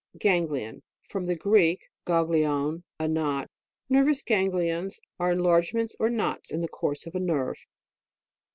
GANGLION. Fro in tin Greek, gang lion, a knot. Nervous ganglions are enlargements or knots in the course of a nerve.